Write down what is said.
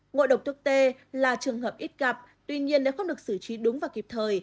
ngộ độc thực tê là trường hợp ít gặp tuy nhiên nếu không được xử trí đúng và kịp thời